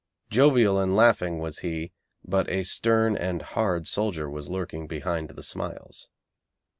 Jovial and laughing was he, but a stern and hard soldier was lurking behind the smiles.